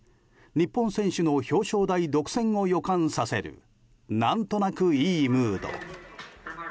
日本選手の表彰台独占を予感させる何となくいいムード。